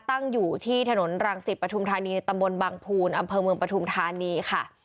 ตั้งอยู่ที่ถนนรังสิตปฐุมธานีในตำบลบังภูนอำเภอเมืองปฐุมธานีค่ะ